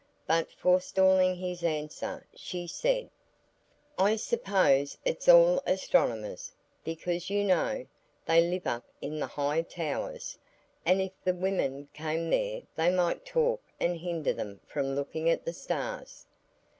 But forestalling his answer, she said,— "I suppose it's all astronomers; because, you know, they live up in high towers, and if the women came there they might talk and hinder them from looking at the stars."